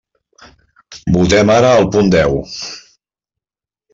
Votem ara el punt deu.